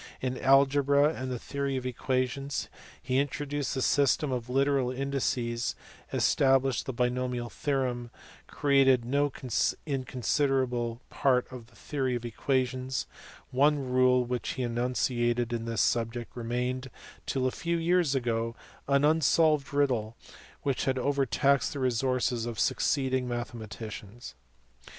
In algebra and the theory of equations, he introduced the system of literal indices, established the binomial theorem, and created no in considerable part of the theory of equations : one rule which he enunciated in this subject remained till a few years ago as an unsolved riddle which had overtaxed the resources of succeeding mathematicians.